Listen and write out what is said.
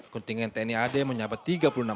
kuntingan tni ad menyabat tiga